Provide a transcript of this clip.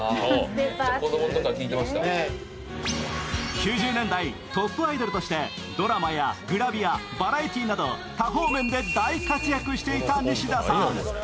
９０年代トップアイドルとしてドラマやグラビア、バラエティーなど多方面で活躍していた西田さん。